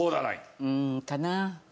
うんかな？